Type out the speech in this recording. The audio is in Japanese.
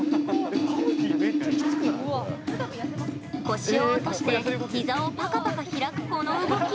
腰を落としてひざをパカパカ開く、この動き。